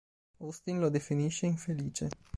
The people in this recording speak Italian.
Austin lo definisce infelice.